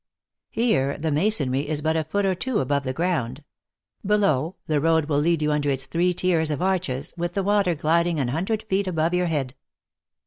Here, the masonry is but a foot or two above the ground ; below, the road will lead you under its three tiers of arches, with the water gliding an hundred feet above your head.